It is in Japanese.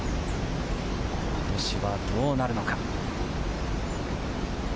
ことしはどうなるのか？